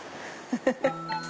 フフフ！